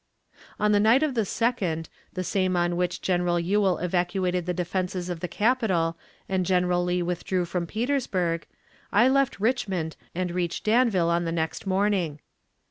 In the night of the 2d, the same on which General Ewell evacuated the defenses of the capital and General Lee withdrew from Petersburg, I left Richmond and reached Danville on the next morning.